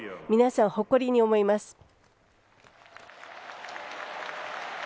皆さんを誇りに思います。